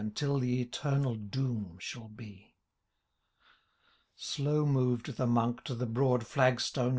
Until the eternal doom shall be." —^ Slow moved the Monk to the broad flag stone.